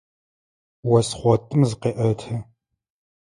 Ос хъотым зыкъеӏэты.